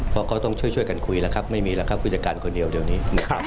เพราะเขาต้องช่วยกันคุยแล้วครับไม่มีแล้วครับผู้จัดการคนเดียวเดี๋ยวนี้